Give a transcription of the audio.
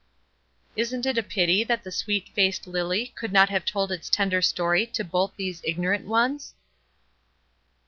Isn't it a pity that the sweet faced lily could not have told its tender story to both these ignorant ones?